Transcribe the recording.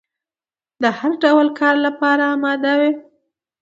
د هر ډول کار لپاره اماده وي.